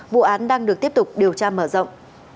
vụ án đang được tiếp tục điều tra mở rộng